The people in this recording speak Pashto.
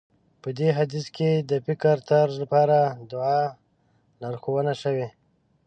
په دې حديث کې د فکرطرز لپاره دعا لارښوونه شوې.